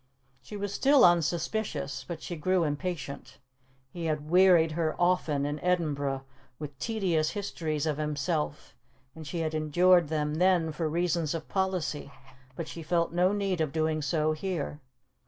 She was still unsuspicious, but she grew impatient. He had wearied her often in Edinburgh with tedious histories of himself, and she had endured them then for reasons of policy; but she felt no need of doing so here.